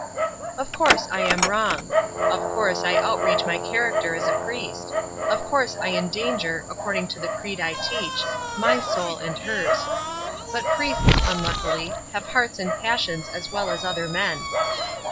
Of course I am wrong; of course I outrage my character as a priest; of course I endanger according to the creed I teach my soul and hers. But priests, unluckily, have hearts and passions as well as other men.